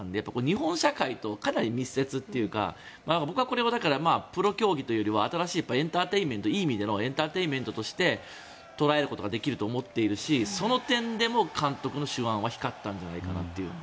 日本社会とかなり密接というか僕はだからプロ競技というより新しいエンターテインメントいい意味でのエンターテインメントとして捉えることができると思っているしその点でも監督の手腕は光ったと思います。